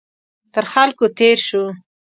تر خلکو تېر شو.